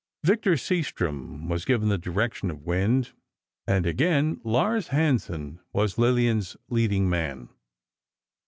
Victor Seastrom was given the direction of "Wind," and again Lars Hansen was Lillian's leading man.